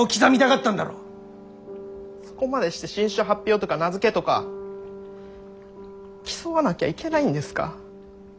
そこまでして新種発表とか名付けとか競わなきゃいけないんですか？